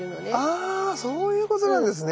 あそういうことなんですね。